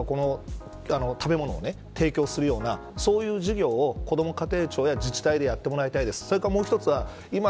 だから僕は学校施設で何か食べ物を提供するようなそういう事業を子ども家庭庁や自治体でやってもらいたいです。